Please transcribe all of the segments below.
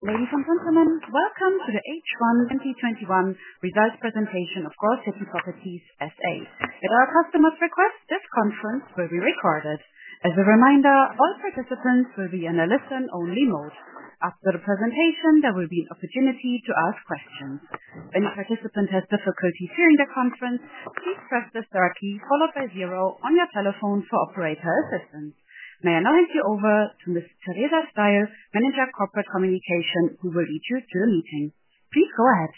Ladies and gentlemen, welcome to the H1 2021 results presentation of Grand City Properties S.A.. At our customers' request, this conference will be recorded. As a reminder, all participants will be in a listen-only mode. After the presentation, there will be an opportunity to ask questions. If any participant has difficulty hearing the conference, please press the star key followed by zero on your telephone for operator assistance. May I now hand you over to Ms. Teresa Steins, Manager Corporate Communication, who will lead you through the meeting. Please go ahead.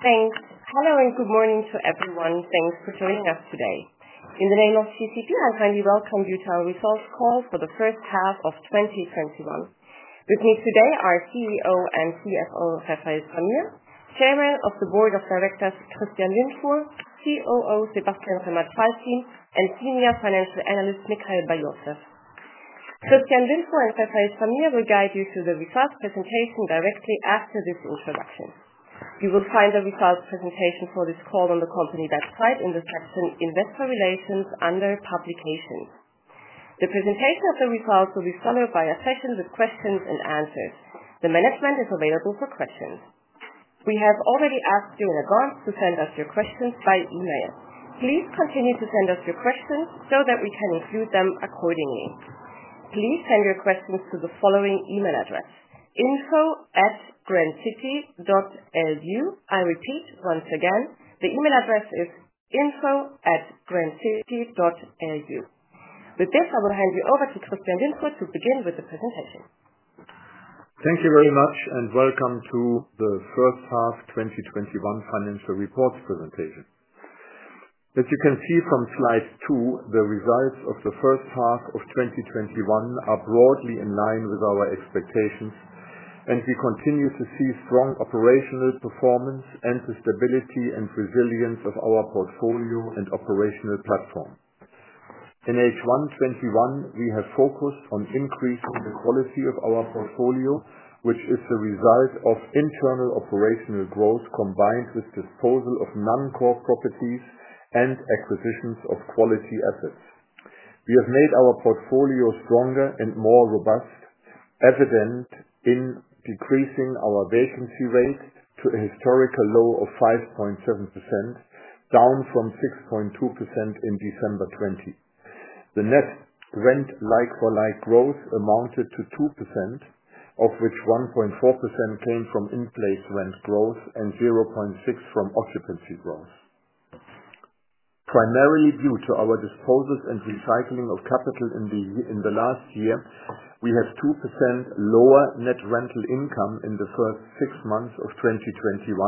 Thanks. Hello and good morning to everyone. Thanks for joining us today. In the name of GCP, I kindly welcome you to our results call for the first half of 2021. With me today are CEO and CFO, Refael Zamir, Chairman of the Board of Directors, Christian Windfuhr, COO, Sebastian Hemmertsmeyer, and Senior Financial Analyst, Michael Bar-Yosef. Christian Windfuhr and Refael Zamir will guide you through the results presentation directly after this introduction. You will find the results presentation for this call on the company website in the section Investor Relations under Publications. The presentation of the results will be followed by a session with questions and answers. The management is available for questions. We have already asked you in advance to send us your questions by email. Please continue to send us your questions so that we can include them accordingly. Please send your questions to the following email address: info@grandcity.lu. I repeat, once again, the email address is info@grandcity.lu. With this, I will hand you over to Christian Windfuhr to begin with the presentation. Thank you very much and welcome to the first half 2021 financial report presentation. As you can see from slide two, the results of the first half of 2021 are broadly in line with our expectations, and we continue to see strong operational performance and the stability and resilience of our portfolio and operational platform. In H1 '21, we have focused on increasing the quality of our portfolio, which is the result of internal operational growth combined with disposal of non-core properties and acquisitions of quality assets. We have made our portfolio stronger and more robust, evident in decreasing our vacancy rate to a historical low of 5.7%, down from 6.2% in December '20. The net rent like-for-like growth amounted to 2%, of which 1.4% came from in-place rent growth and 0.6% from occupancy growth. Primarily due to our disposals and recycling of capital in the last year, we have 2% lower net rental income in the first six months of 2021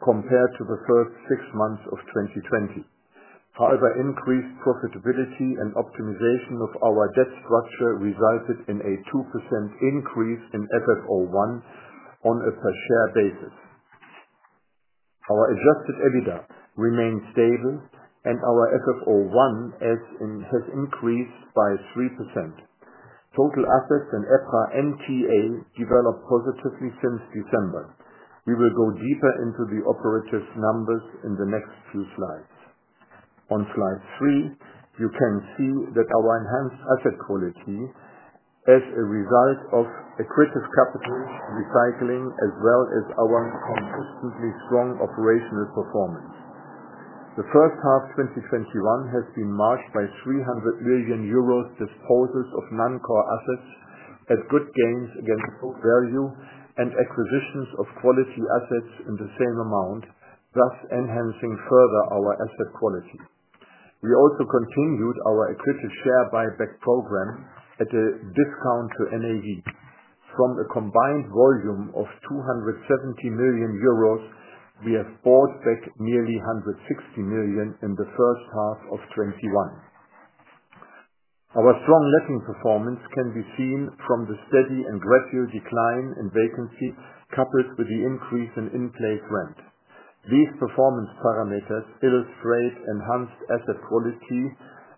compared to the first six months of 2020. However, increased profitability and optimization of our debt structure resulted in a 2% increase in FFO1 on a per share basis. Our Adjusted EBITDA remains stable and our FFO1 has increased by 3%. Total assets and EPRA NTA developed positively since December. We will go deeper into the operative numbers in the next few slides. On slide three, you can see that our enhanced asset quality is a result of accretive capital recycling, as well as our consistently strong operational performance. The first half 2021 has been marked by 300 million euros disposals of non-core assets at good gains against book value and acquisitions of quality assets in the same amount, thus enhancing further our asset quality. We also continued our accretive share buyback program at a discount to NAV. From a combined volume of 270 million euros, we have bought back nearly 160 million in the first half of 2021. Our strong leasing performance can be seen from the steady and gradual decline in vacancy, coupled with the increase in in-place rent. These performance parameters illustrate enhanced asset quality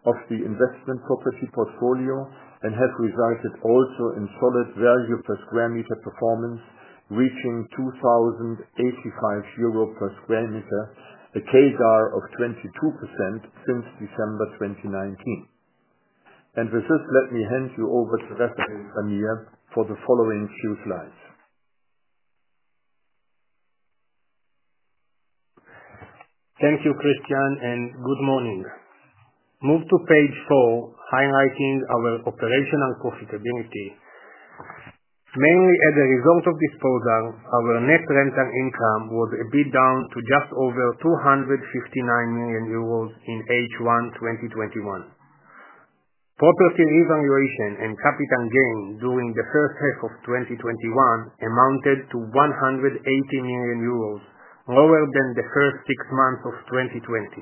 of the investment property portfolio and have resulted also in solid value per square meter performance, reaching 2,085 euro per square meter, a CAGR of 22% since December 2019. With this, let me hand you over to Refael Zamir for the following few slides. Thank you, Christian. Good morning. Move to page four, highlighting our operational profitability. Mainly as a result of disposal, our net rental income was a bit down to just over 259 million euros in H1 2021. Property revaluation and capital gain during the first half of 2021 amounted to 118 million euros, lower than the first six months of 2020.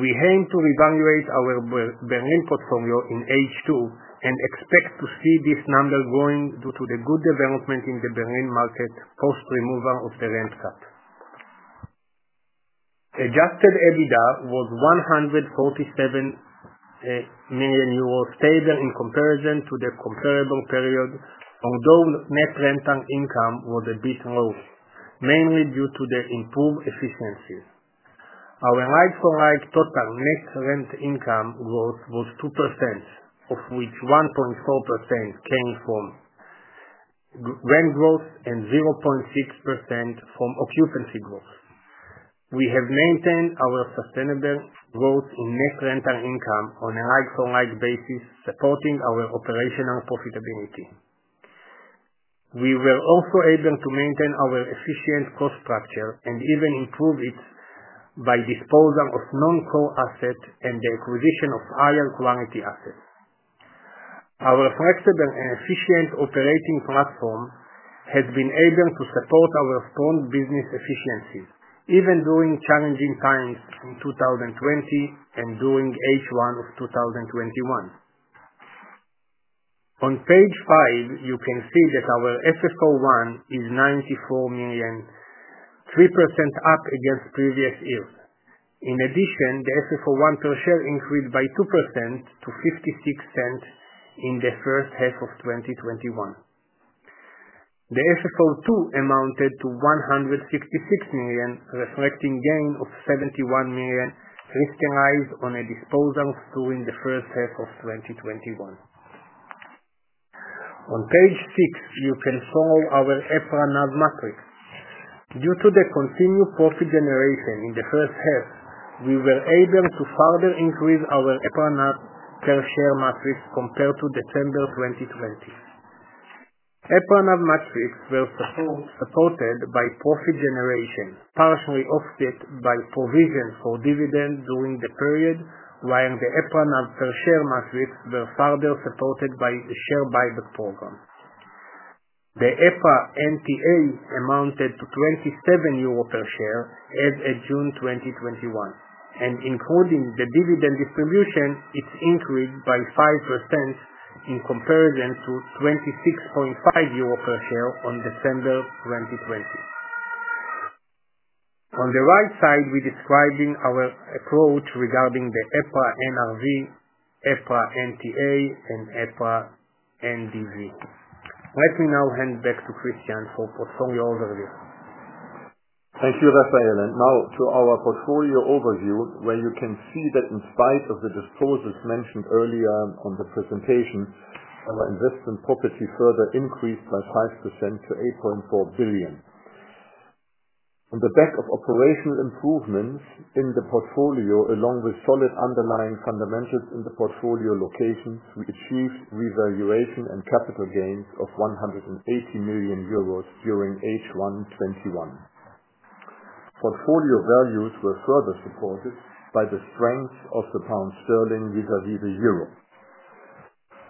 We aim to revaluate our Berlin portfolio in H2 and expect to see this number growing due to the good development in the Berlin market post removal of the rent cut. Adjusted EBITDA was 147 million euros, stable in comparison to the comparable period, although net rental income was a bit low, mainly due to the improved efficiency. Our like-for-like total net rent income growth was 2%, of which 1.4% came from rent growth and 0.6% from occupancy growth. We have maintained our sustainable growth in net rental income on a like-for-like basis, supporting our operational profitability. We were also able to maintain our efficient cost structure and even improve it by disposal of non-core assets and the acquisition of higher quality assets. Our flexible and efficient operating platform has been able to support our strong business efficiency, even during challenging times in 2020 and during H1 of 2021. On page five, you can see that our FFO 1 is 94 million, 3% up against the previous year. In addition, the FFO 1 per share increased by 2% to 0.56 in the first half of 2021. The FFO 2 amounted to 166 million, reflecting a gain of 71 million realized on a disposal during the first half of 2021. On page six, you can follow our EPRA NAV metrics. Due to the continued profit generation in the first half, we were able to further increase our EPRA NAV per share metrics compared to December 2020. EPRA NAV metrics were supported by profit generation, partially offset by provisions for dividends during the period, while the EPRA NAV per share metrics were further supported by the share buyback program. The EPRA NTA amounted to 27 euro per share as of June 2021, and including the dividend distribution, it increased by 5% in comparison to 26.5 euro per share on December 2020. On the right side, we are describing our approach regarding the EPRA NRV, EPRA NTA, and EPRA NDV. Let me now hand back to Christian for portfolio overview. Thank you, Refael. Now to our portfolio overview, where you can see that in spite of the disposals mentioned earlier on the presentation, our investment property further increased by 5% to 8.4 billion. On the back of operational improvements in the portfolio, along with solid underlying fundamentals in the portfolio locations, we achieved revaluation and capital gains of 180 million euros during H1 2021. Portfolio values were further supported by the strength of the pound sterling vis-à-vis the EUR.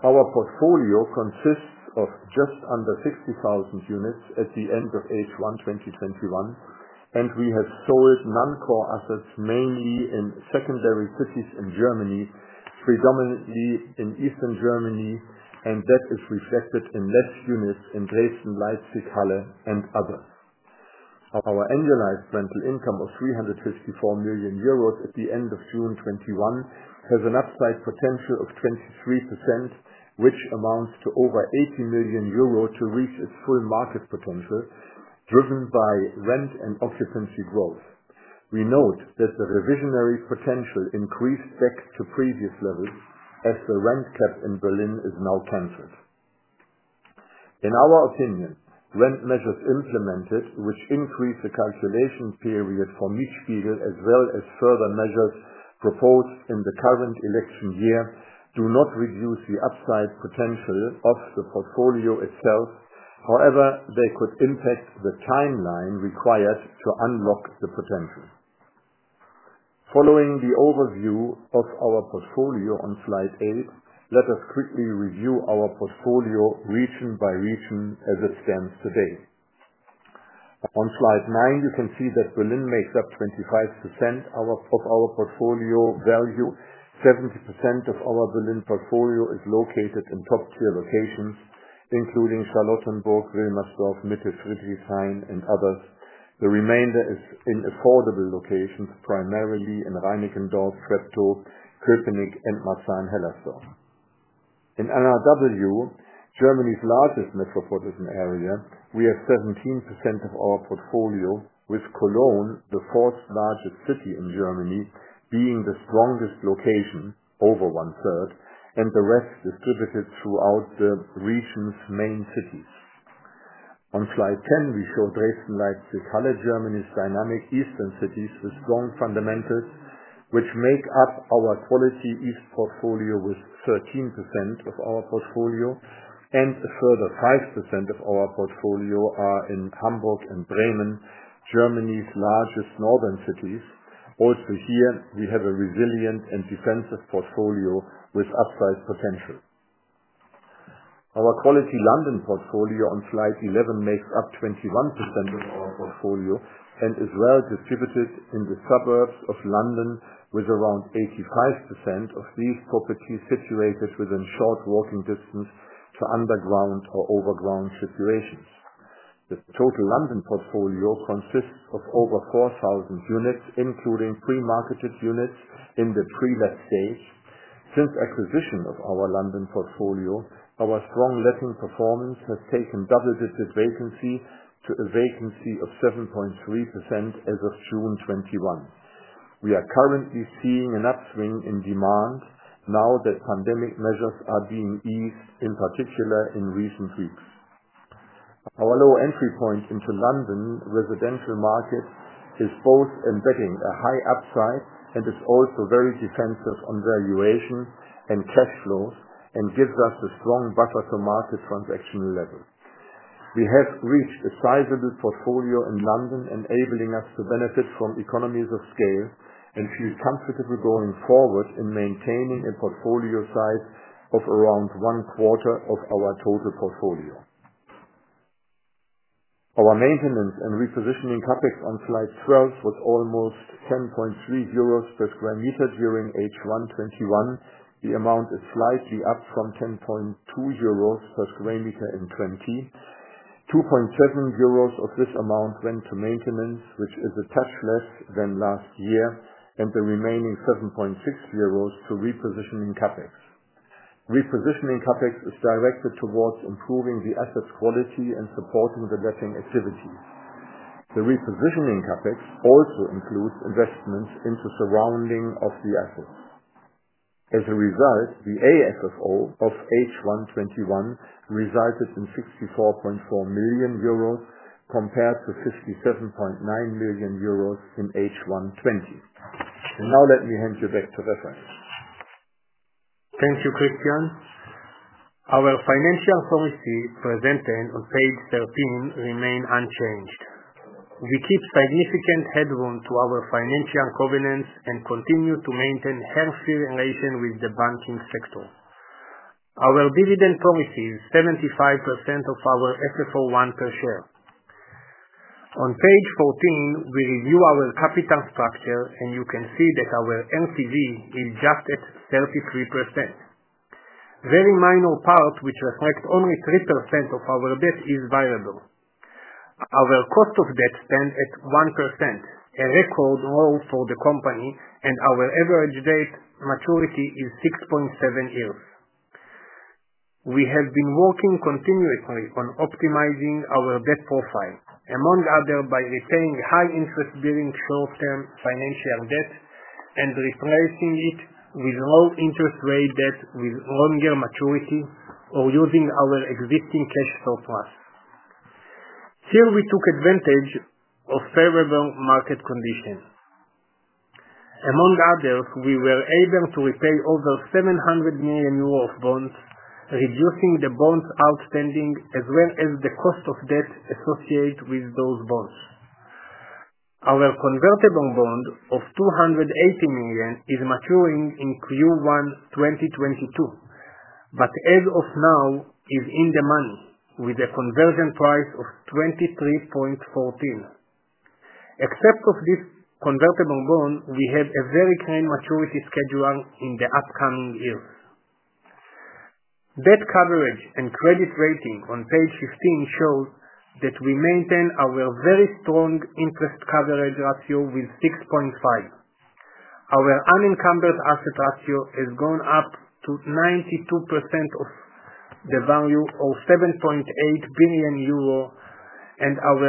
Our portfolio consists of just under 60,000 units at the end of H1 2021, and we have sold non-core assets, mainly in secondary cities in Germany, predominantly in Eastern Germany, and that is reflected in less units in Dresden, Leipzig, Halle, and others. Our annualized rental income of 354 million euros at the end of June 2021 has an upside potential of 23%, which amounts to over 80 million euro to reach its full market potential, driven by rent and occupancy growth. We note that the revisionary potential increased back to previous levels, as the rent cap in Berlin is now canceled. In our opinion, rent measures implemented, which increase the calculation period for Mietspiegel, as well as further measures proposed in the current election year, do not reduce the upside potential of the portfolio itself. However, they could impact the timeline required to unlock the potential. Following the overview of our portfolio on slide eight, let us quickly review our portfolio region by region as it stands today. On slide nine, you can see that Berlin makes up 25% of our portfolio value. 70% of our Berlin portfolio is located in top-tier locations, including Charlottenburg, Wilmersdorf, Mitte, Friedrichshain, and others. The remainder is in affordable locations, primarily in Reinickendorf, Treptow, Köpenick, and Marzahn-Hellersdorf. In NRW, Germany's largest metropolitan area, we have 17% of our portfolio, with Cologne, the fourth largest city in Germany, being the strongest location, over one-third, and the rest distributed throughout the region's main cities. On slide 10, we show Dresden, Leipzig, Halle, Germany's dynamic eastern cities with strong fundamentals, which make up our quality east portfolio with 13% of our portfolio and a further 5% of our portfolio are in Hamburg and Bremen, Germany's largest northern cities. Also here, we have a resilient and defensive portfolio with upside potential. Our quality London portfolio on slide 11 makes up 21% of our portfolio and is well distributed in the suburbs of London, with around 85% of these properties situated within short walking distance to underground or overground stations. The total London portfolio consists of over 4,000 units, including pre-marketed units in the pre-let stage. Since acquisition of our London portfolio, our strong letting performance has taken double-digit vacancy to a vacancy of 7.3% as of June 2021. We are currently seeing an upswing in demand now that pandemic measures are being eased, in particular, in recent weeks. Our low entry point into London residential market is both embedding a high upside and is also very defensive on valuations and cash flows and gives us a strong buffer to market transaction levels. We have reached a sizable portfolio in London, enabling us to benefit from economies of scale and feel comfortable going forward in maintaining a portfolio size of around one-quarter of our total portfolio. Our maintenance and repositioning CapEx on slide 12 was almost 10.3 euros per sq m during H1 2021. The amount is slightly up from 10.2 euros per sq m in 2020. 2.7 euros of this amount went to maintenance, which is a touch less than last year, and the remaining 7.6 euros to repositioning CapEx. Repositioning CapEx is directed towards improving the asset's quality and supporting the letting activity. The repositioning CapEx also includes investments into surrounding of the assets. As a result, the AFFO of H1 2021 resulted in 64.4 million euros compared to 57.9 million euros in H1 2020. Now let me hand you back to Refael. Thank you, Christian. Our financial policy presented on page 13 remain unchanged. We keep significant headroom to our financial governance and continue to maintain healthy relation with the banking sector. Our dividend policy is 75% of our FFO1 per share. On page 14, we review our capital structure. You can see that our LTV is just at 33%. Very minor part, which reflects only 3% of our debt is variable. Our cost of debt stands at 1%, a record low for the company, and our average debt maturity is 6.7 years. We have been working continuously on optimizing our debt profile, among other, by repaying high interest-bearing short-term financial debt and replacing it with low interest rate debt with longer maturity or using our existing cash surplus. Here we took advantage of favorable market conditions. Among others, we were able to repay over 700 million euro of bonds, reducing the bonds outstanding as well as the cost of debt associated with those bonds. Our convertible bond of 280 million is maturing in Q1 2022, but as of now is in demand with a conversion price of 23.14. Except of this convertible bond, we have a very clean maturity schedule in the upcoming years. Debt coverage and credit rating on page 15 shows that we maintain our very strong interest coverage ratio with 6.5. Our unencumbered asset ratio has gone up to 92% of the value of 7.8 billion euro, and our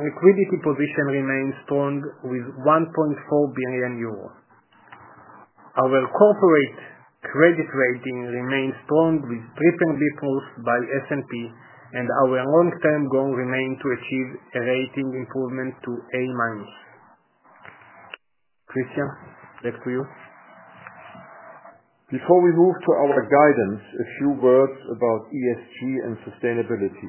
liquidity position remains strong with 1.4 billion euros. Our corporate credit rating remains strong with triple B plus by S&P, and our long-term goal remain to achieve a rating improvement to A minus. Christian, back to you. Before we move to our guidance, a few words about ESG and sustainability.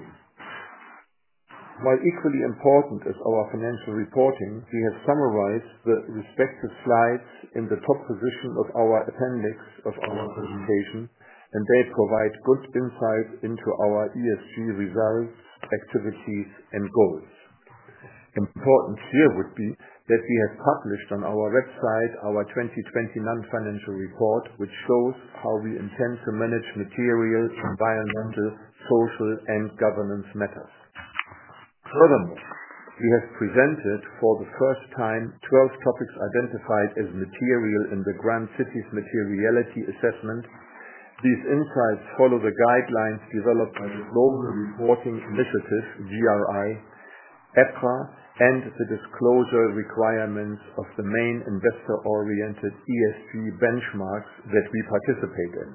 While equally important as our financial reporting, we have summarized the respective slides in the top position of our appendix of our presentation. They provide good insight into our ESG results, activities, and goals. Important here would be that we have published on our website our 2020 non-financial report, which shows how we intend to manage material environmental, social, and governance matters. Furthermore, we have presented for the first time 12 topics identified as material in the Grand City's materiality assessment. These insights follow the guidelines developed by the Global Reporting Initiative, GRI, EPRA, and the disclosure requirements of the main investor-oriented ESG benchmarks that we participate in.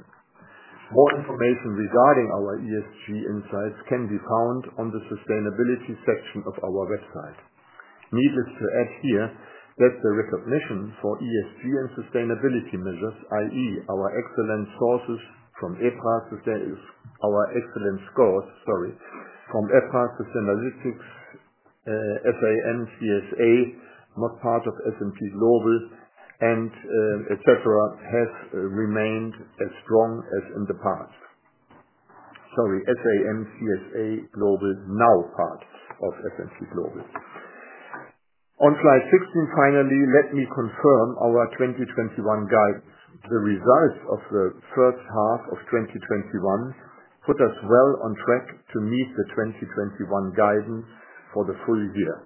More information regarding our ESG insights can be found on the sustainability section of our website. Needless to add here that the recognition for ESG and sustainability measures, i.e., our excellent scores from EPRA Sustainalytics, SAM, now part of S&P Global, has remained as strong as in the past. On slide 16, finally, let me confirm our 2021 guide. The results of the first half of 2021 put us well on track to meet the 2021 guidance for the full year.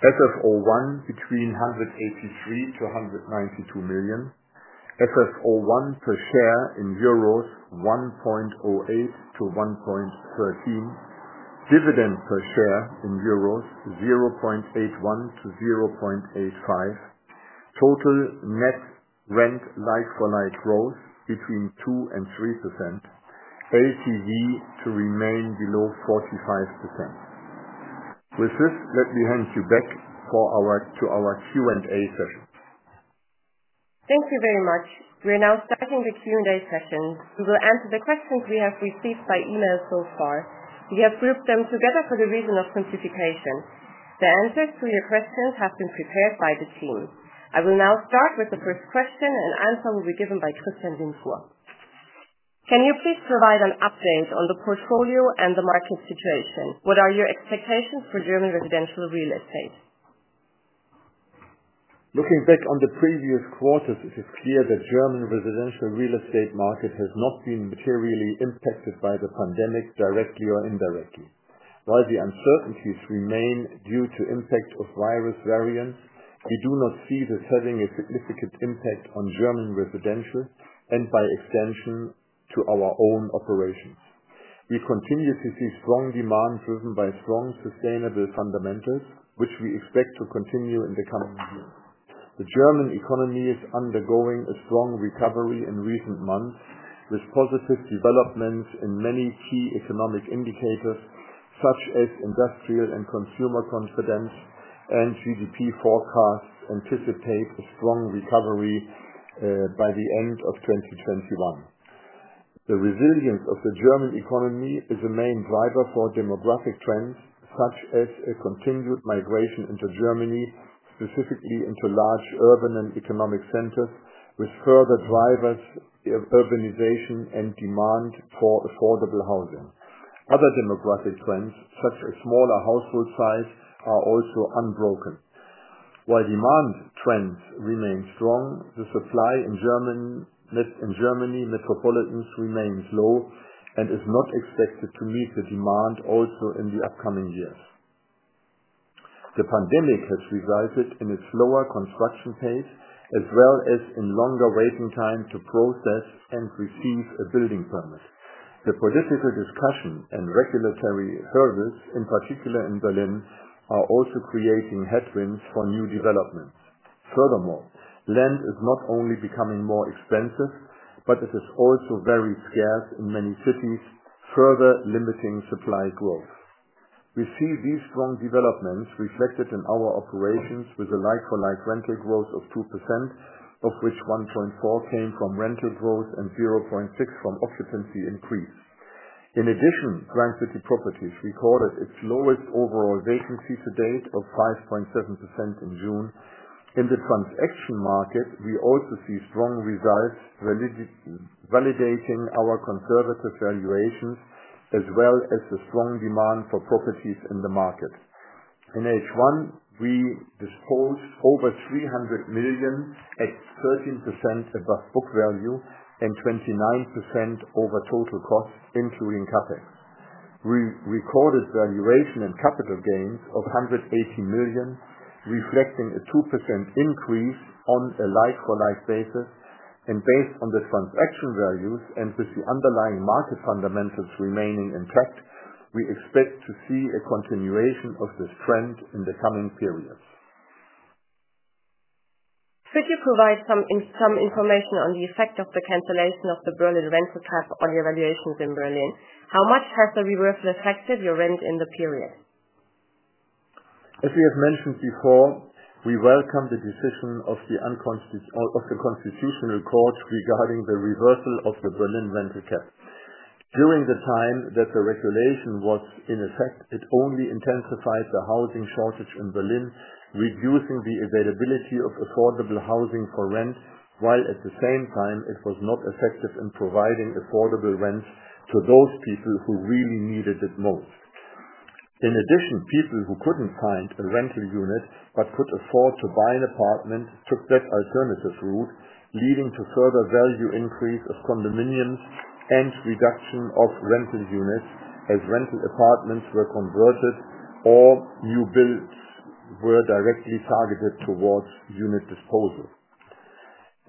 FFO1 between 183 million to 192 million. FFO1 per share in euros 1.08 to 1.13. Dividend per share in euros 0.81 to 0.85. Total net rent like-for-like growth between 2% and 3%. LTV to remain below 45%. With this, let me hand you back to our Q&A session. Thank you very much. We are now starting the Q&A session. We will answer the questions we have received by email so far. We have grouped them together for the reason of simplification. The answers to your questions have been prepared by the team. I will now start with the first question, and answer will be given by Christian Windfuhr. Can you please provide an update on the portfolio and the market situation? What are your expectations for German residential real estate? Looking back on the previous quarters, it is clear the German residential real estate market has not been materially impacted by the pandemic directly or indirectly. While the uncertainties remain due to impact of virus variants, we do not see this having a significant impact on German residential and by extension, to our own operations. We continue to see strong demand driven by strong sustainable fundamentals, which we expect to continue in the coming year. The German economy is undergoing a strong recovery in recent months, with positive developments in many key economic indicators, such as industrial and consumer confidence. GDP forecasts anticipate a strong recovery by the end of 2021. The resilience of the German economy is a main driver for demographic trends, such as a continued migration into Germany, specifically into large urban and economic centers, which further drivers urbanization and demand for affordable housing. Other demographic trends, such as smaller household size, are also unbroken. While demand trends remain strong, the supply in Germany metropolitans remains low and is not expected to meet the demand also in the upcoming years. The pandemic has resulted in a slower construction pace, as well as in longer waiting time to process and receive a building permit. The political discussion and regulatory hurdles, in particular in Berlin, are also creating headwinds for new developments. Furthermore, land is not only becoming more expensive, but it is also very scarce in many cities, further limiting supply growth. We see these strong developments reflected in our operations with a like-for-like rental growth of 2%, of which 1.4% came from rental growth and 0.6% from occupancy increase. In addition, Grand City Properties recorded its lowest overall vacancy to date of 5.7% in June. In the transaction market, we also see strong results validating our conservative valuations, as well as the strong demand for properties in the market. In H1, we disposed over 300 million at 13% above book value and 29% over total costs, including CapEx. We recorded valuation and capital gains of 180 million, reflecting a 2% increase on a like-for-like basis. Based on the transaction values and with the underlying market fundamentals remaining intact, we expect to see a continuation of this trend in the coming periods. Could you provide some information on the effect of the cancellation of the Berlin rental cap on your valuations in Berlin? How much has the reversal affected your rent in the period? As we have mentioned before, we welcome the decision of the Federal Constitutional Court regarding the reversal of the Berlin rental cap. During the time that the regulation was in effect, it only intensified the housing shortage in Berlin, reducing the availability of affordable housing for rent, while at the same time, it was not effective in providing affordable rent to those people who really needed it most. In addition, people who couldn't find a rental unit but could afford to buy an apartment took that alternative route, leading to further value increase of condominiums and reduction of rental units as rental apartments were converted or new builds were directly targeted towards unit disposal.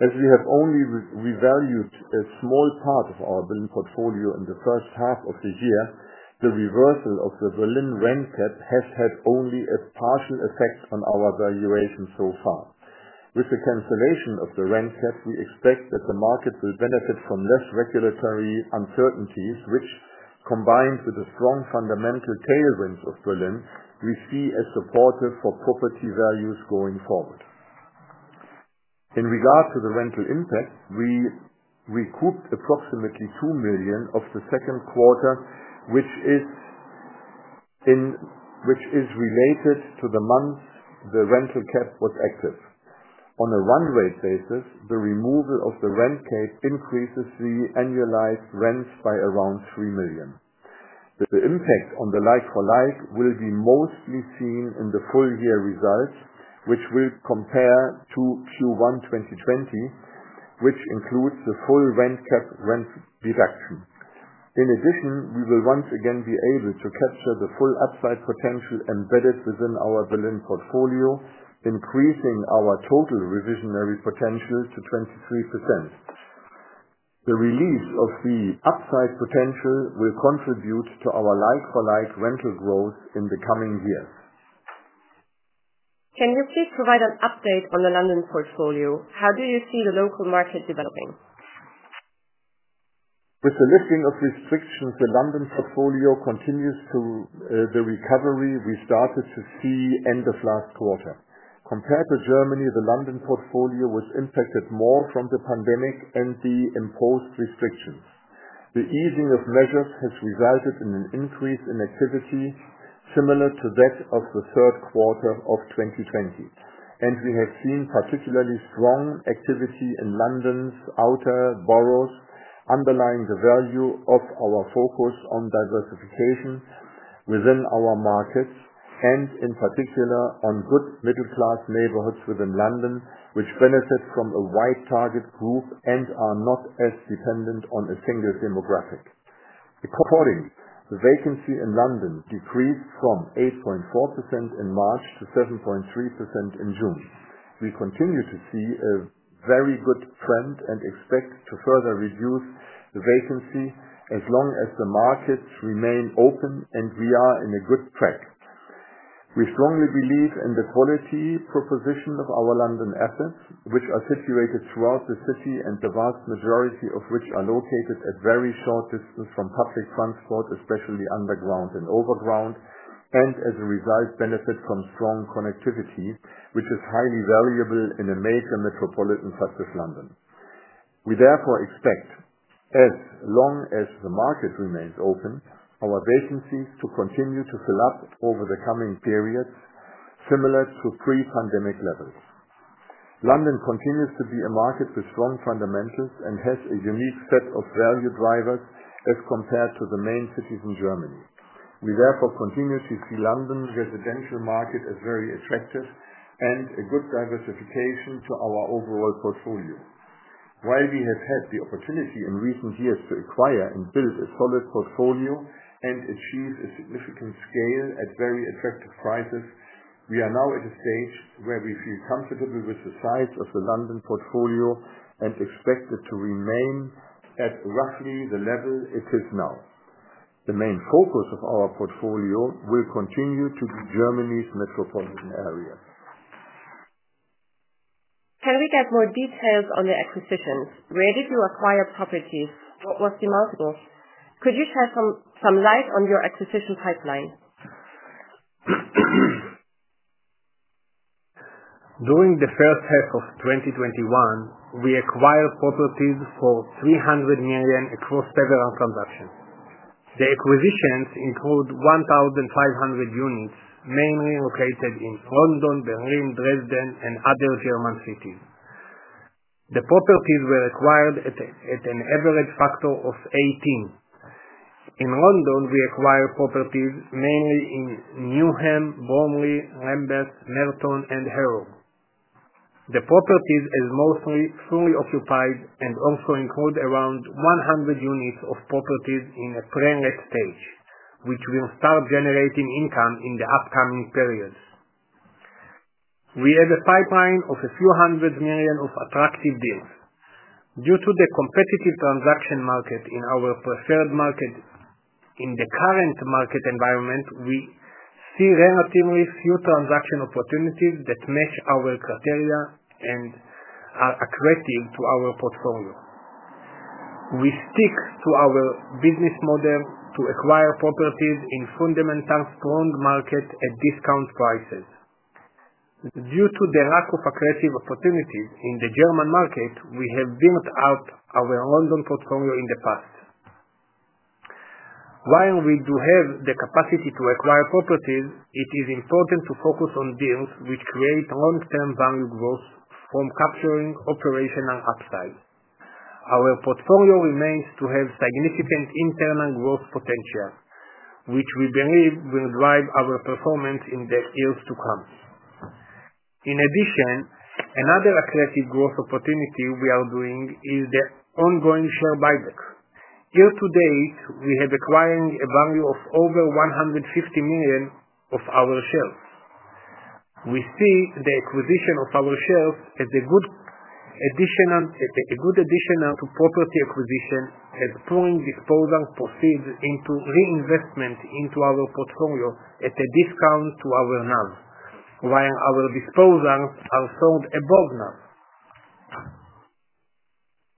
As we have only revalued a small part of our Berlin portfolio in the first half of the year, the reversal of the Berlin rent cap has had only a partial effect on our valuation so far. With the cancellation of the rent cap, we expect that the market will benefit from less regulatory uncertainties, which, combined with the strong fundamental tailwinds of Berlin, we see as supportive for property values going forward. In regard to the rental impact, we recouped approximately 2 million of the second quarter, which is related to the months the rent cap was active. On a run rate basis, the removal of the rent cap increases the annualized rents by around 3 million. The impact on the like-for-like will be mostly seen in the full year results, which will compare to Q1 2020, which includes the full rent cap rent reduction. In addition, we will once again be able to capture the full upside potential embedded within our Berlin portfolio, increasing our total revisionary potential to 23%. The release of the upside potential will contribute to our like-for-like rental growth in the coming years. Can you please provide an update on the London portfolio? How do you see the local market developing? With the lifting of restrictions, the London portfolio continues to the recovery we started to see end of last quarter. Compared to Germany, the London portfolio was impacted more from the pandemic and the imposed restrictions. The easing of measures has resulted in an increase in activity similar to that of the third quarter of 2020. We have seen particularly strong activity in London's outer boroughs, underlying the value of our focus on diversification within our markets, and in particular, on good middle-class neighborhoods within London, which benefit from a wide target group and are not as dependent on a single demographic. Accordingly, the vacancy in London decreased from 8.4% in March to 7.3% in June. We continue to see a very good trend and expect to further reduce the vacancy as long as the markets remain open. We are in a good track. We strongly believe in the quality proposition of our London assets, which are situated throughout the city and the vast majority of which are located at very short distance from public transport, especially underground and overground, and as a result, benefit from strong connectivity, which is highly valuable in a major metropolitan such as London. We therefore expect, as long as the market remains open, our vacancies to continue to fill up over the coming periods, similar to pre-pandemic levels. London continues to be a market with strong fundamentals and has a unique set of value drivers as compared to the main cities in Germany. We therefore continue to see London residential market as very attractive and a good diversification to our overall portfolio. While we have had the opportunity in recent years to acquire and build a solid portfolio and achieve a significant scale at very attractive prices, we are now at a stage where we feel comfortable with the size of the London portfolio and expect it to remain at roughly the level it is now. The main focus of our portfolio will continue to be Germany's metropolitan area. Can we get more details on the acquisitions? Where did you acquire properties? What was the multiple? Could you share some light on your acquisition pipeline? During the first half of 2021, we acquired properties for 300 million across several transactions. The acquisitions include 1,500 units, mainly located in London, Berlin, Dresden, and other German cities. The properties were acquired at an average factor of 18. In London, we acquired properties mainly in Newham, Bromley, Lambeth, Merton, and Harrow. The properties are mostly fully occupied and also include around 100 units of properties in a pre-let stage, which will start generating income in the upcoming periods. We have a pipeline of a few hundred million EUR of attractive deals. Due to the competitive transaction market in our preferred market, in the current market environment, we see very few transaction opportunities that match our criteria and are accretive to our portfolio. We stick to our business model to acquire properties in fundamentally strong markets at discount prices. Due to the lack of accretive opportunities in the German market, we have built up our London portfolio in the past. While we do have the capacity to acquire properties, it is important to focus on deals which create long-term value growth from capturing operational upside. Our portfolio remains to have significant internal growth potential, which we believe will drive our performance in the years to come. Another accretive growth opportunity we are doing is the ongoing share buyback. Year to date, we have acquired a value of over 150 million of our shares. We see the acquisition of our shares as a good addition to property acquisition as pulling disposal proceeds into reinvestment into our portfolio at a discount to our NAV, while our disposals are sold above NAV.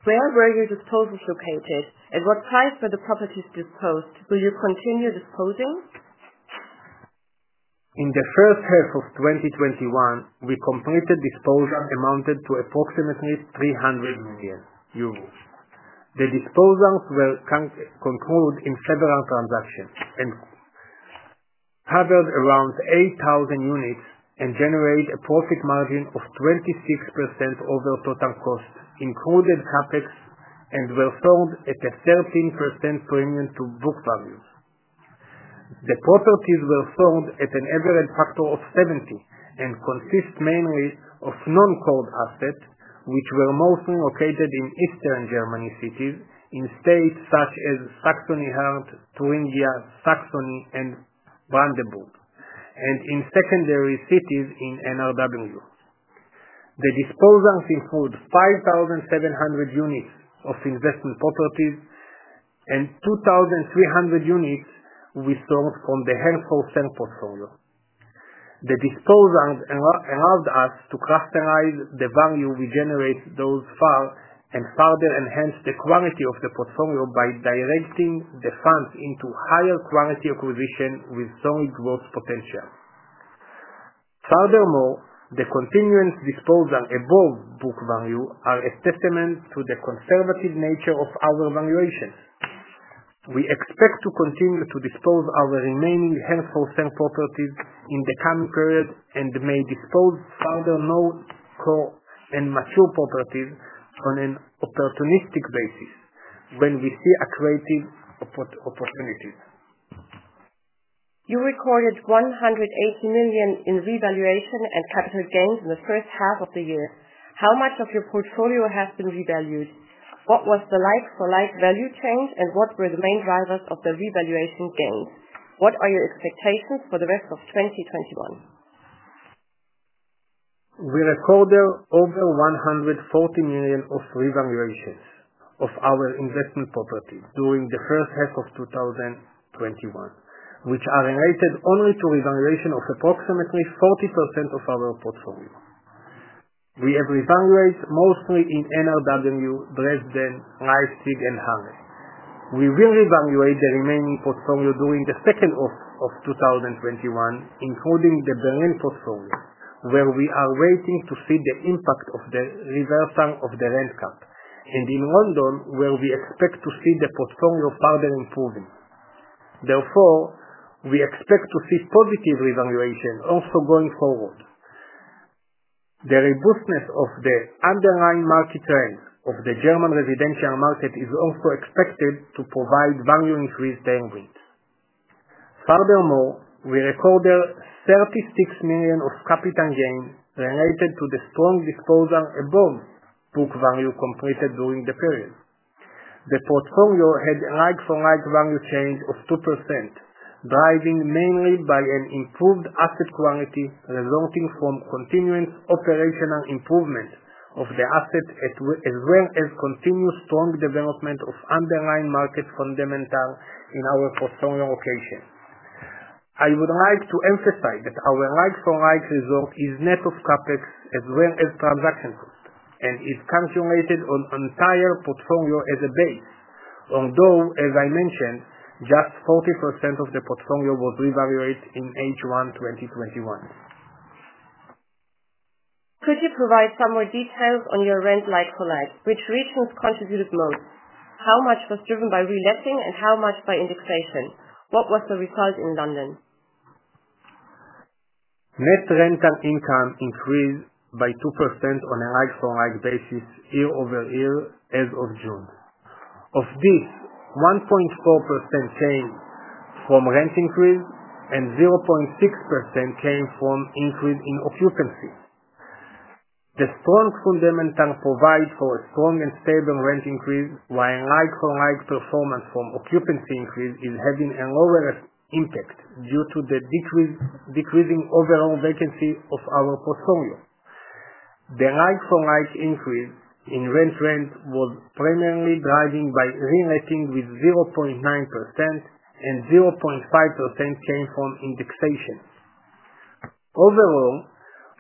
Where were your disposals located? At what price were the properties disposed? Will you continue disposing? In H1 2021, we completed disposals amounted to approximately 300 million euros. The disposals were concluded in several transactions and covered around 8,000 units and generate a profit margin of 26% over total cost, including CapEx, and were sold at a 13% premium to book values. The properties were sold at an average factor of 70 and consist mainly of non-core assets, which were mostly located in Eastern Germany cities, in states such as Saxony-Anhalt, Thuringia, Saxony, and Brandenburg, and in secondary cities in NRW. The disposals include 5,700 units of investment properties and 2,300 units we sold from the hold-for-rent portfolio. The disposals allowed us to crystallize the value we generate thus far and further enhance the quality of the portfolio by directing the funds into higher quality acquisition with strong growth potential. The continuing disposal above book value are a testament to the conservative nature of our valuations. We expect to continue to dispose our remaining hold-for-rent properties in the coming period and may dispose further non-core and mature properties on an opportunistic basis when we see accretive opportunities. You recorded 180 million in revaluation and capital gains in the first half of the year. How much of your portfolio has been revalued? What was the like-for-like value change, and what were the main drivers of the revaluation gains? What are your expectations for the rest of 2021? We recorded over 140 million of revaluations of our investment property during the first half of 2021, which are related only to revaluation of approximately 40% of our portfolio. We have revalued mostly in NRW, Dresden, Leipzig, and Halle. We will revaluate the remaining portfolio during the second half of 2021, including the Berlin portfolio, where we are waiting to see the impact of the reversal of the rent cap, and in London, where we expect to see the portfolio further improving. Therefore, we expect to see positive revaluation also going forward. The robustness of the underlying market trend of the German residential market is also expected to provide value increase therein. Furthermore, we recorded 36 million of capital gains related to the strong disposal above book value completed during the period. The portfolio had like-for-like value change of 2%, driving mainly by an improved asset quality resulting from continuing operational improvement of the asset, as well as continued strong development of underlying market fundamentals in our portfolio location. I would like to emphasize that our like-for-like result is net of CapEx as well as transaction cost and is calculated on entire portfolio as a base, although, as I mentioned, just 40% of the portfolio was revalued in H1 2021. Could you provide some more details on your rent like-for-like? Which regions contributed most? How much was driven by reletting and how much by indexation? What was the result in London? Net rental income increased by 2% on a like-for-like basis year-over-year as of June. Of this, 1.4% came from rent increase and 0.6% came from increase in occupancy. The strong fundamentals provide for a strong and stable rent increase, while like-for-like performance from occupancy increase is having a lower impact due to the decreasing overall vacancy of our portfolio. The like-for-like increase in rent trend was primarily driving by reletting with 0.9%, and 0.5% came from indexation. Overall,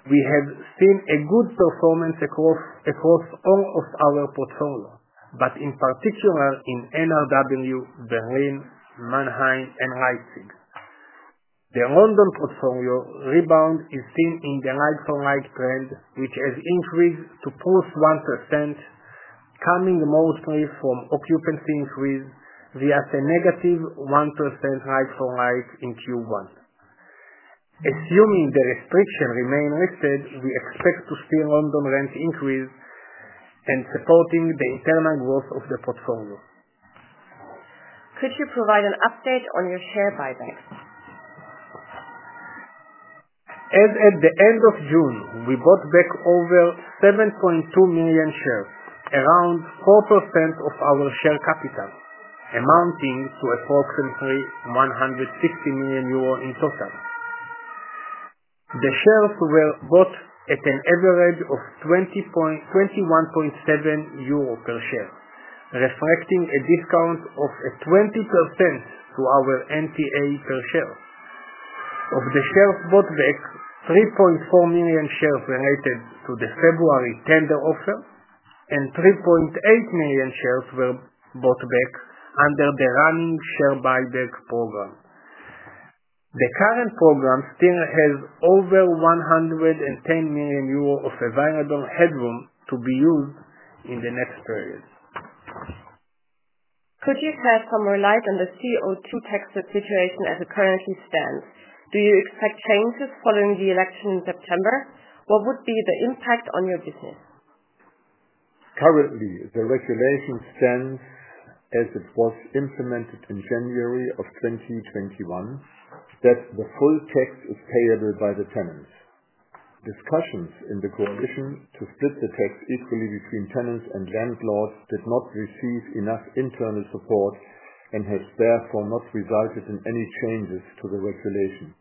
we have seen a good performance across all of our portfolio, but in particular in NRW, Berlin, Mannheim, and Leipzig. The London portfolio rebound is seen in the like-for-like trend, which has increased to +1%, coming mostly from occupancy increase via the -1% like-for-like in Q1. Assuming the restrictions remain lifted, we expect to see London rent increase and supporting the internal growth of the portfolio. Could you provide an update on your share buyback? As at the end of June, we bought back over 7.2 million shares, around 4% of our share capital, amounting to approximately 160 million euro in total. The shares were bought at an average of 21.7 euro per share, reflecting a discount of 20% to our NTA per share. Of the shares bought back, 3.4 million shares related to the February tender offer and 3.8 million shares were bought back under the running share buyback program. The current program still has over 110 million euro of available headroom to be used in the next period. Could you shed some more light on the CO2 tax situation as it currently stands? Do you expect changes following the election in September? What would be the impact on your business? Currently, the regulation stands as it was implemented in January 2021, that the full tax is payable by the tenants. Discussions in the coalition to split the tax equally between tenants and landlords did not receive enough internal support, and has therefore not resulted in any changes to the regulation.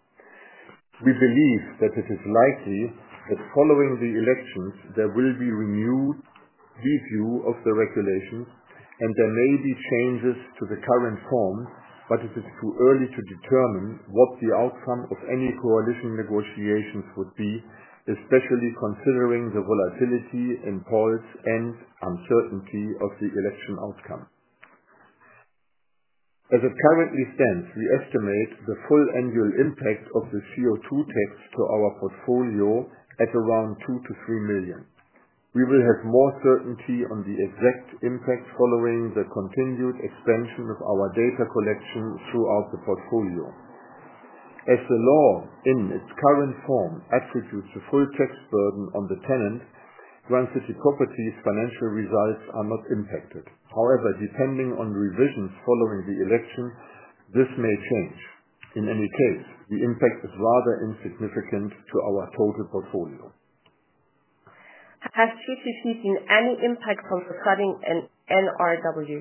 We believe that it is likely that following the elections, there will be a review of the regulations, and there may be changes to the current form, but it is too early to determine what the outcome of any coalition negotiations would be, especially considering the volatility in polls and uncertainty of the election outcome. As it currently stands, we estimate the full annual impact of the CO2 tax to our portfolio at around 2 million-3 million. We will have more certainty on the exact impact following the continued expansion of our data collection throughout the portfolio. As the law, in its current form, attributes the full tax burden on the tenant, Grand City Properties' financial results are not impacted. However, depending on revisions following the election, this may change. In any case, the impact is rather insignificant to our total portfolio. Has GCP seen any impact from the flooding in NRW?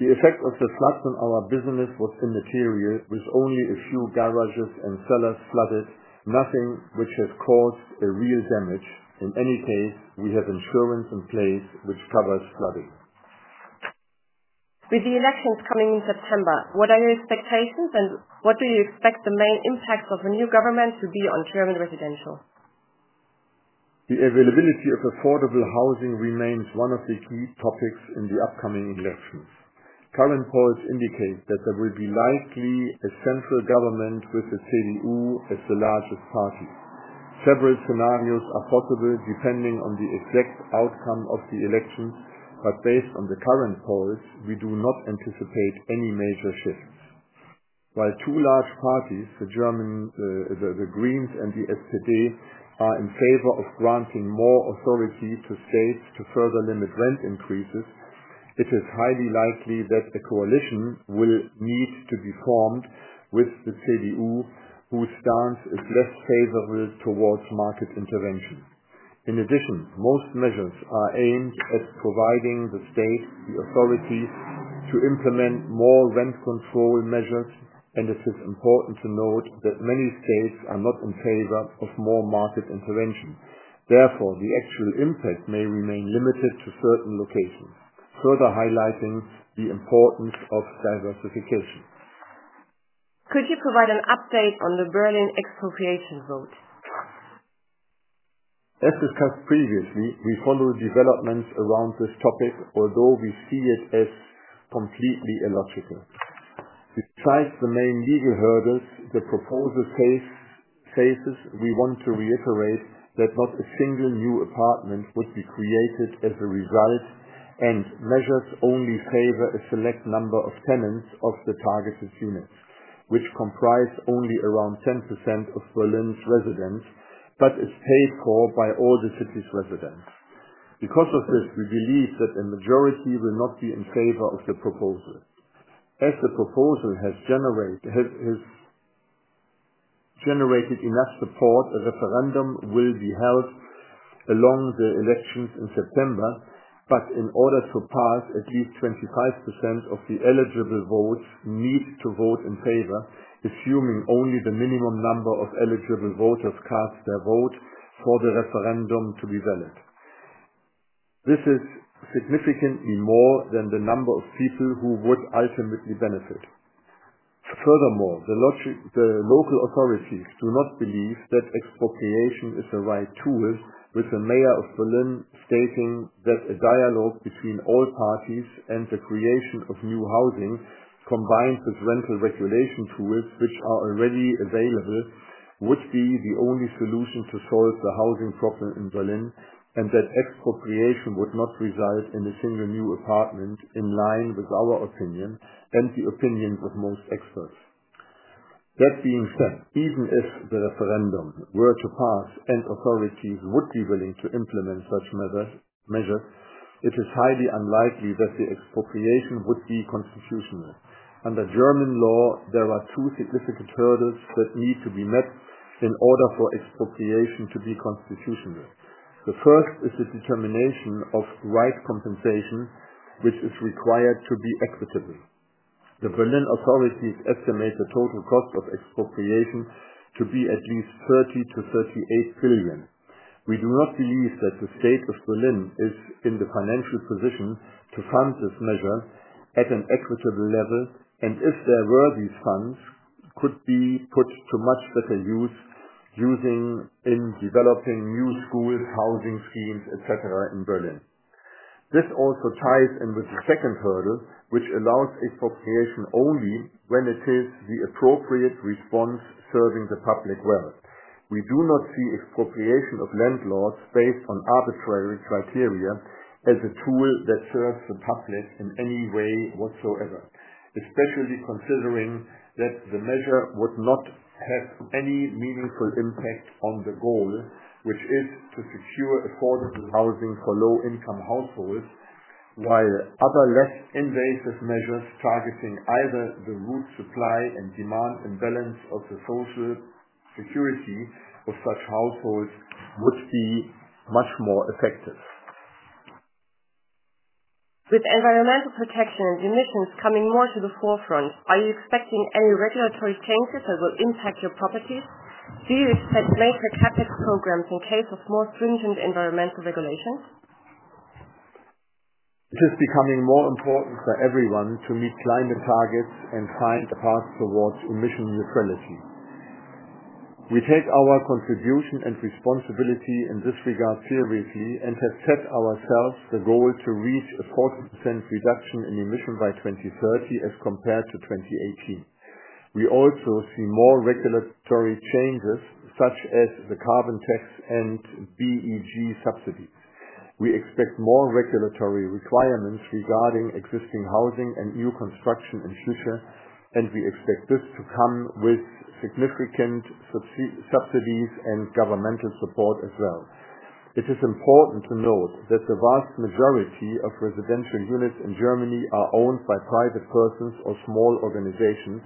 The effect of the floods on our business was immaterial, with only a few garages and cellars flooded, nothing which has caused a real damage. In any case, we have insurance in place which covers flooding. With the elections coming in September, what are your expectations, and what do you expect the main impacts of the new government to be on German residential? The availability of affordable housing remains one of the key topics in the upcoming elections. Current polls indicate that there will be likely a central government with the CDU as the largest party. Several scenarios are possible depending on the exact outcome of the election, but based on the current polls, we do not anticipate any major shifts. While two large parties, The Greens and the FDP, are in favor of granting more authority to states to further limit rent increases, it is highly likely that the coalition will need to be formed with the CDU, whose stance is less favorable towards market intervention. In addition, most measures are aimed at providing the state the authority to implement more rent control measures, and it is important to note that many states are not in favor of more market intervention. Therefore, the actual impact may remain limited to certain locations, further highlighting the importance of diversification. Could you provide an update on the Berlin expropriation vote? As discussed previously, we follow developments around this topic, although we see it as completely illogical. Besides the main legal hurdles the proposal faces, we want to reiterate that not a single new apartment would be created as a result, and measures only favor a select number of tenants of the targeted units, which comprise only around 10% of Berlin's residents, but is paid for by all the city's residents. We believe that a majority will not be in favor of the proposal. The proposal has generated enough support, a referendum will be held along the elections in September. In order to pass, at least 25% of the eligible votes need to vote in favor, assuming only the minimum number of eligible voters cast their vote for the referendum to be valid. This is significantly more than the number of people who would ultimately benefit. The local authorities do not believe that expropriation is the right tool, with the mayor of Berlin stating that a dialogue between all parties and the creation of new housing, combined with rental regulation tools which are already available, would be the only solution to solve the housing problem in Berlin, and that expropriation would not result in a single new apartment, in line with our opinion and the opinion of most experts. That being said, even if the referendum were to pass and authorities would be willing to implement such measures, it is highly unlikely that the expropriation would be constitutional. Under German law, there are two significant hurdles that need to be met in order for expropriation to be constitutional. The first is the determination of right compensation, which is required to be equitable. The Berlin authorities estimate the total cost of expropriation to be at least 30 billion-38 billion. We do not believe that the state of Berlin is in the financial position to fund this measure at an equitable level, and if there were these funds, could be put to much better use using in developing new schools, housing schemes, et cetera, in Berlin. This also ties in with the second hurdle, which allows expropriation only when it is the appropriate response serving the public wealth. We do not see expropriation of landlords based on arbitrary criteria as a tool that serves the public in any way whatsoever, especially considering that the measure would not have any meaningful impact on the goal, which is to secure affordable housing for low-income households. Other less invasive measures targeting either the root supply and demand imbalance of the social security of such households would be much more effective. With environmental protection and emissions coming more to the forefront, are you expecting any regulatory changes that will impact your properties? Do you expect major CapEx programs in case of more stringent environmental regulations? It is becoming more important for everyone to meet climate targets and find a path towards emission neutrality. We take our contribution and responsibility in this regard seriously and have set ourselves the goal to reach a 40% reduction in emission by 2030 as compared to 2018. We also see more regulatory changes such as the CO2 tax and BEG subsidies. We expect more regulatory requirements regarding existing housing and new construction in future. We expect this to come with significant subsidies and governmental support as well. It is important to note that the vast majority of residential units in Germany are owned by private persons or small organizations.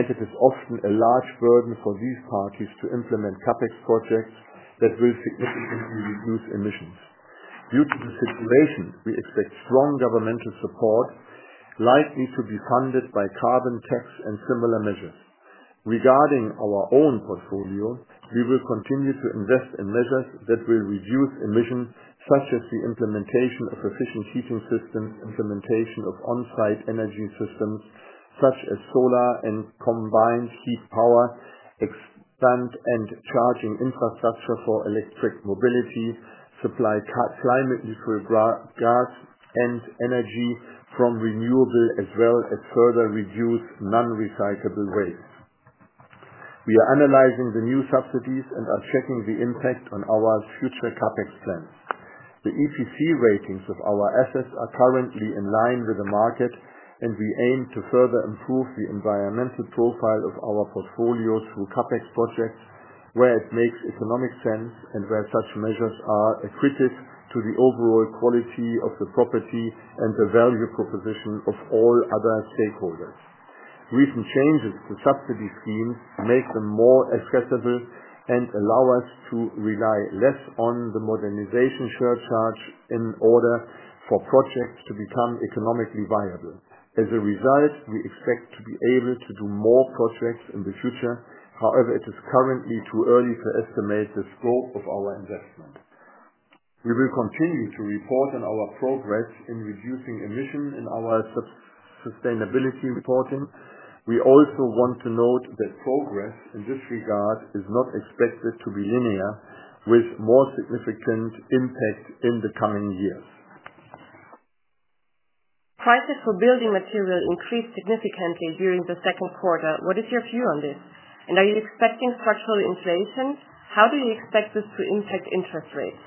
It is often a large burden for these parties to implement CapEx projects that will significantly reduce emissions. Due to the situation, we expect strong governmental support, likely to be funded by CO2 tax and similar measures. Regarding our own portfolio, we will continue to invest in measures that will reduce emissions, such as the implementation of efficient heating systems, implementation of on-site energy systems such as solar and combined heat power, expand and charging infrastructure for electric mobility, supply climate-neutral gas and energy from renewable, as well as further reduce non-recyclable waste. We are analyzing the new subsidies and are checking the impact on our future CapEx plans. The EPC ratings of our assets are currently in line with the market. We aim to further improve the environmental profile of our portfolio through CapEx projects where it makes economic sense and where such measures are accretive to the overall quality of the property and the value proposition of all other stakeholders. Recent changes to subsidy schemes make them more accessible and allow us to rely less on the modernization surcharge in order for projects to become economically viable. As a result, we expect to be able to do more projects in the future. However, it is currently too early to estimate the scope of our investment. We will continue to report on our progress in reducing emissions in our sustainability reporting. We also want to note that progress in this regard is not expected to be linear, with more significant impact in the coming years. Prices for building material increased significantly during the second quarter. What is your view on this? Are you expecting structural inflation? How do you expect this to impact interest rates?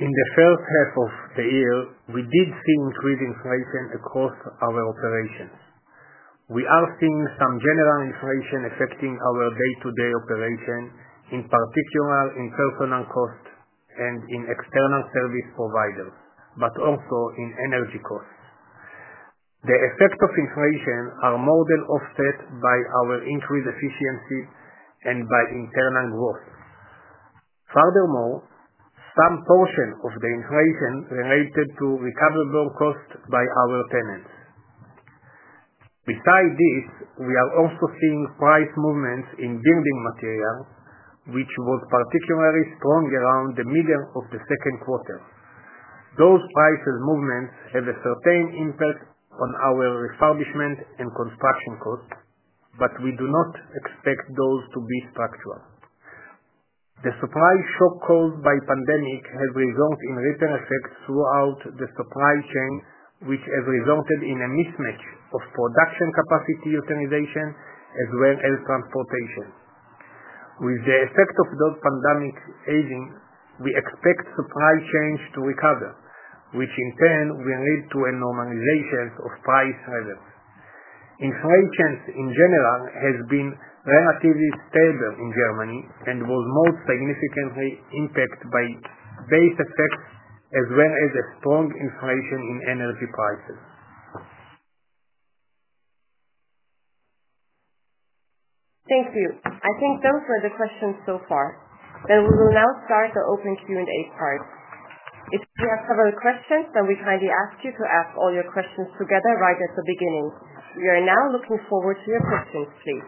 In the first half of the year, we did see increased inflation across our operations. We are seeing some general inflation affecting our day-to-day operations, in particular in personal costs and in external service providers, but also in energy costs. The effects of inflation are more than offset by our increased efficiency and by internal growth. Furthermore, some portion of the inflation related to recoverable costs by our tenants. Besides this, we are also seeing price movements in building material, which was particularly strong around the middle of the second quarter. Those prices movements have a certain impact on our refurbishment and construction costs, but we do not expect those to be structural. The supply shock caused by pandemic has resulted in ripple effects throughout the supply chain, which has resulted in a mismatch of production capacity utilization as well as transportation. With the effect of those pandemic easing, we expect supply chains to recover, which in turn will lead to a normalization of price levels. Inflation, in general, has been relatively stable in Germany and was most significantly impacted by base effects, as well as a strong inflation in energy prices. Thank you. I think those were the questions so far. We will now start the open Q&A part. If you have further questions, then we kindly ask you to ask all your questions together right at the beginning. We are now looking forward to your questions, please.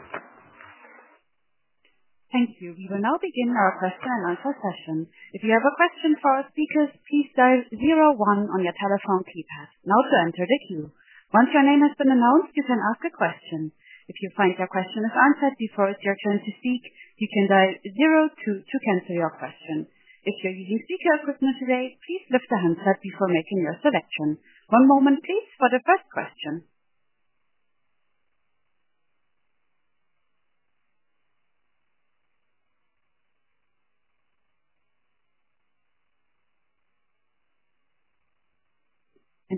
Thank you. We will now begin our question and answer session. If you have a question for our speakers, please dial 01 on your telephone keypad now to enter the queue. Once your name has been announced, you can ask a question. If you find your question is answered before it's your turn to speak, you can dial 02 to cancel your question. If you're using speaker equipment today, please lift the handset before making your selection. One moment please for the first question.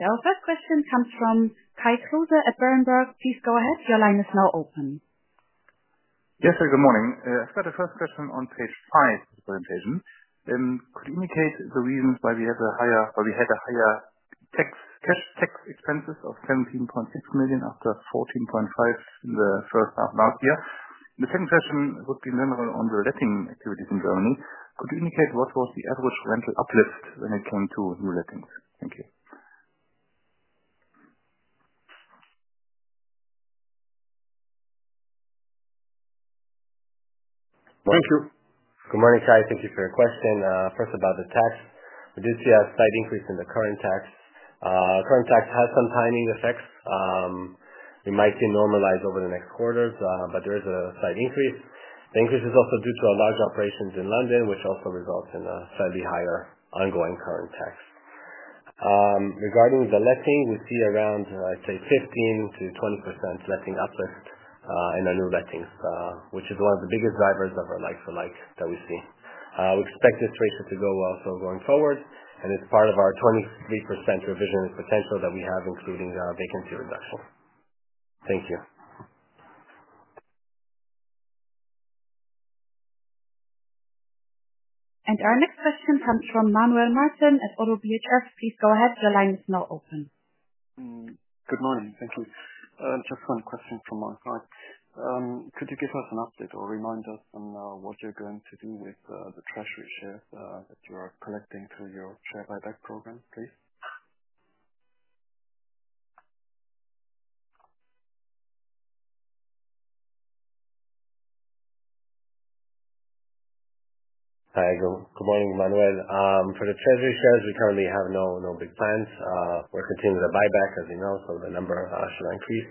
Our first question comes from Kai Kröger at Berenberg. Please go ahead. Your line is now open. Good morning. I've got a first question on page five presentation. Could you indicate the reasons why we had a higher cash tax expenses of 17.6 million after 14.5 million in the first half last year? The second question would be on the letting activities in Germany. Could you indicate what was the average rental uplift when it came to new lettings? Thank you. Thank you. Good morning, Kai. Thank you for your question. About the tax. We did see a slight increase in the current tax. Current tax has some timing effects. It might de-normalize over the next quarters, but there is a slight increase. The increase is also due to our large operations in London, which also results in a slightly higher ongoing current tax. Regarding the letting, we see around, I'd say 15%-20% letting uplift, in our new lettings, which is one of the biggest drivers of our like-for-like that we see. We expect this ratio to go well going forward, it's part of our 23% revision potential that we have, including vacancy reduction. Thank you. Our next question comes from Manuel Martin at ODDO BHF. Please go ahead. Your line is now open. Good morning. Thank you. Just one question from my side. Could you give us an update or remind us on what you're going to do with the treasury shares, that you are collecting through your share buyback program, please? Hi. Good morning, Manuel. For the treasury shares, we currently have no big plans. We're continuing the buyback, as you know, so the number should increase.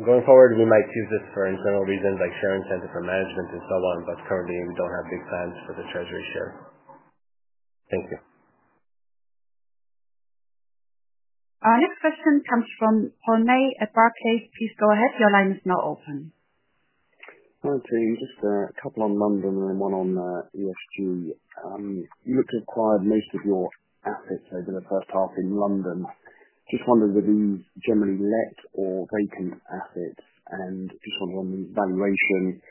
Going forward, we might use this for internal reasons like share incentive for management and so on, but currently, we don't have big plans for the treasury share. Thank you. Our next question comes from Jorge at Barclays. Please go ahead. Your line is now open. Hi, team. Just a couple on London and one on ESG. You acquired most of your assets over the first half in London. Just wondering whether these generally let or vacant assets, and just on valuation,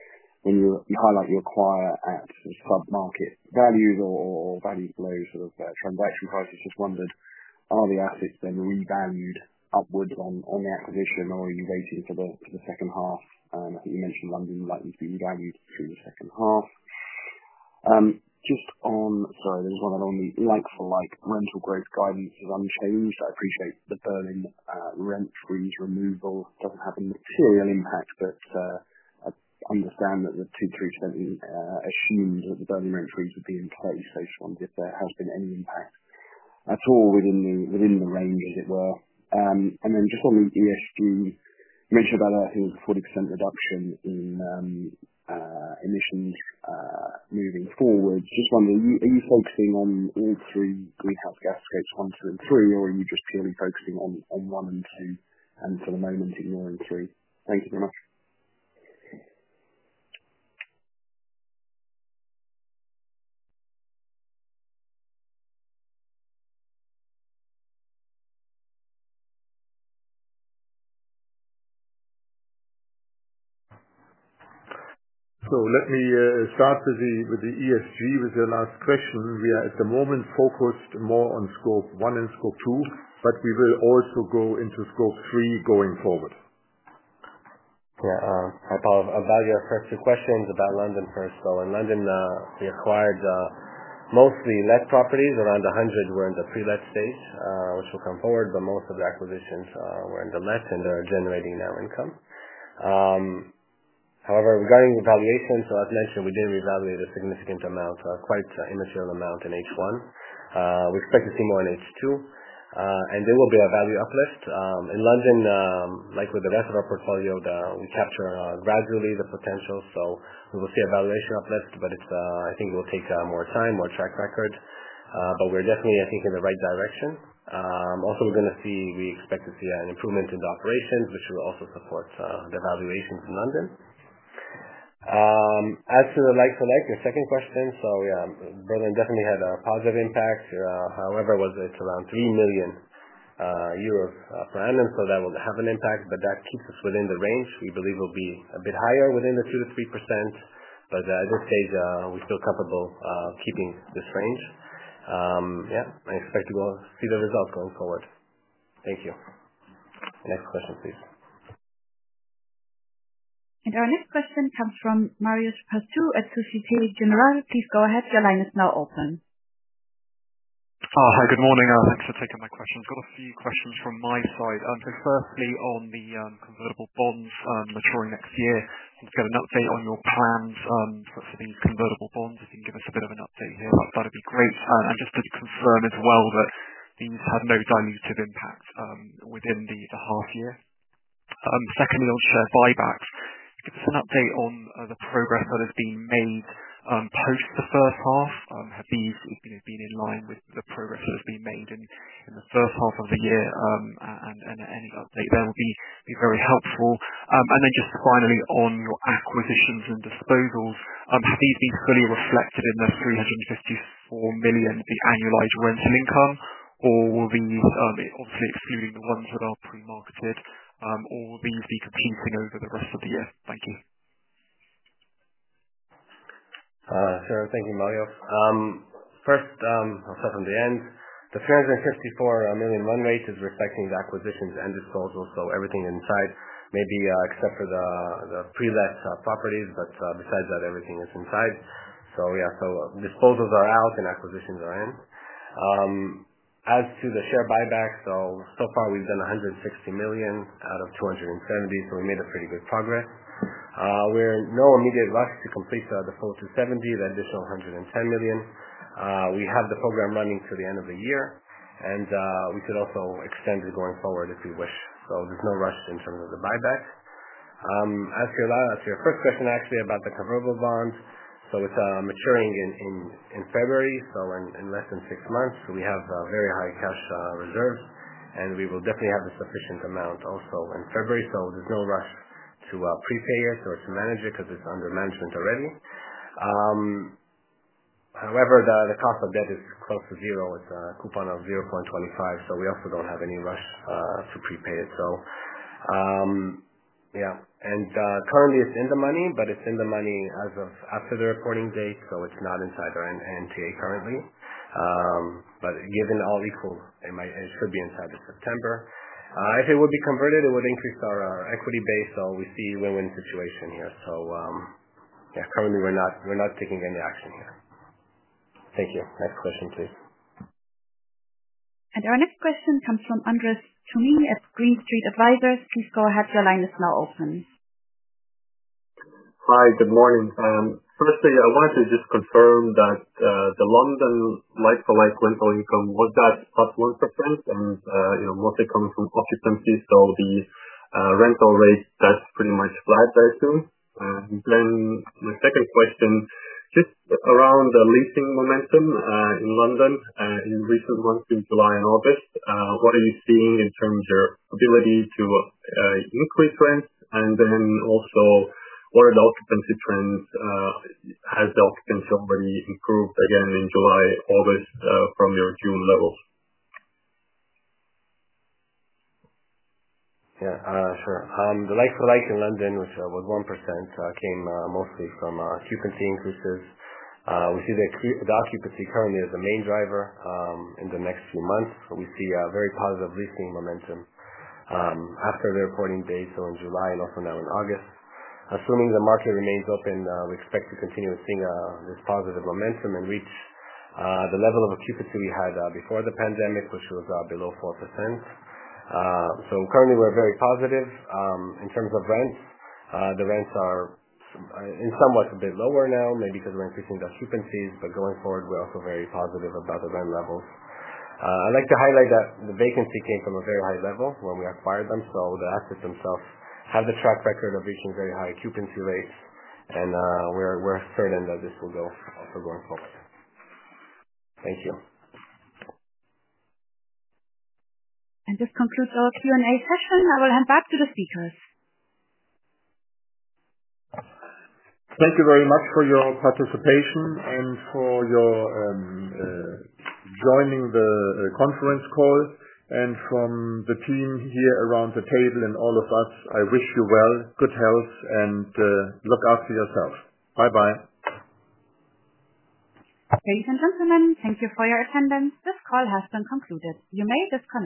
you highlight you acquire at sub-market values or value flows for the transaction prices. Just wondered, are the assets then revalued upwards on the acquisition or you wait until the second half? I think you mentioned London values will be revalued through the second half. Sorry, there's one on the like-for-like rental growth guidance is unchanged. I appreciate the Berlin rental cap removal doesn't have a material impact, but I understand that the 2%, 3% assumes that the Berlin rental cap would be in place. I just wondered if there has been any impact at all within the range, as it were. Just on the ESG, you mentioned about a 40% reduction in emissions moving forward. Just wondering, are you focusing on all three greenhouse gas Scope 1, 2, and 3, or are you just purely focusing on Scope 1 and 2, and for the moment ignoring Scope 3? Thank you very much. Let me start with the ESG, with the last question. We are at the moment focused more on Scope 1 and Scope 2, but we will also go into Scope 3 going forward. Hi, [Paul]. About your first two questions, about London first. In London, we acquired mostly let properties. Around 100 were in the pre-let stage, which will come forward, but most of the acquisitions were in the let and are generating now income. However, regarding the valuations, as mentioned, we did revalue the significant amount, quite a material amount in H1. We expect to see more in H2, and there will be a value uplift. In London, like with the rest of our portfolio, we capture gradually the potential, so we will see a valuation uplift, but I think it will take more time, more track record. We're definitely, I think, in the right direction. Also, we expect to see an improvement in the operations, which will also support the valuations in London. As to the like-for-like, your second question. Yeah, Berlin definitely had a positive impact. However, it's around 3 million euros for Ireland, so that will have an impact, but that keeps us within the range. We believe we'll be a bit higher within the 2%-3%, but at this stage, we feel comfortable keeping this range. Yeah, I expect to see the result going forward. Thank you. Next question, please. Our next question comes from Marios Pastou at Societe Generale. Please go ahead. Your line is now open. Hi. Good morning. Thanks for taking my questions. Got a few questions from my side. Firstly, on the convertible bonds maturing next year. Can we get an update on your plans for these convertible bonds? If you can give us a bit of an update here, that'd be great. Just to confirm as well that these have no dilutive impact within the half year. Secondly, on share buybacks. Give us an update on the progress that has been made post the first half. Have these been in line with the progress that has been made in the first half of the year? Any update there would be very helpful. Then just finally on your acquisitions and disposals. Have these been fully reflected in the 354 million, the annualized rental income? Will these, obviously excluding the ones that are pre-marketed, all these be completing over the rest of the year? Thank you. Sure. Thank you, Mario. First, I'll start from the end. The 354 million run rate is reflecting the acquisitions and disposals, everything inside, maybe except for the pre-let properties, but besides that, everything is inside. Yes, disposals are out and acquisitions are in. As to the share buyback, so far we've done 160 million out of 270, we made a pretty good progress. We're in no immediate rush to complete the full 270, the additional 110 million. We have the program running to the end of the year, and we could also extend it going forward if we wish. There's no rush in terms of the buyback. As to your first question actually about the convertible bonds. It's maturing in February, in less than six months. We have very high cash reserves, and we will definitely have a sufficient amount also in February, there's no rush to prepay it or to manage it because it's under management already. However, the cost of debt is close to zero. It's a coupon of 0.25%, we also don't have any rush to prepay it. Yeah. Currently it's in the money, but it's in the money as of after the reporting date, it's not inside our NTA currently. Given all equal, it should be inside the September. If it would be converted, it would increase our equity base, we see a win-win situation here. Yeah, currently we're not taking any action here. Thank you. Next question, please. Our next question comes from Andres Toome at Green Street Advisors. Please go ahead, your line is now open. Hi, good morning. Firstly, I wanted to just confirm that the London like-for-like rental income, was that +1% and mostly coming from occupancy, the rental rates, that's pretty much flat I assume? The second question, just around the leasing momentum, in London, in recent months in July and August, what are you seeing in terms of ability to increase rents? Also what are the occupancy trends? Has the occupancy already improved again in July, August, from your June levels? Yeah. Sure. The like-for-like in London, which was 1%, came mostly from occupancy increases. We see the occupancy currently as the main driver, in the next few months. We see a very positive leasing momentum, after the reporting date, in July and also now in August. Assuming the market remains open, we expect to continue seeing this positive momentum and reach the level of occupancy we had before the pandemic, which was below 4%. Currently we're very positive. In terms of rents, the rents are in some ways a bit lower now, maybe because we're increasing the occupancies, but going forward, we're also very positive about the rent levels. I'd like to highlight that the vacancy came from a very high level when we acquired them. The assets themselves have the track record of reaching very high occupancy rates and we're certain that this will go also going forward. Thank you. This concludes our Q&A session. I will hand back to the speakers. Thank you very much for your participation and for your joining the conference call. From the team here around the table and all of us, I wish you well, good health, and look after yourselves. Bye-bye. Ladies and gentlemen, thank you for your attendance. This call has been concluded. You may disconnect now.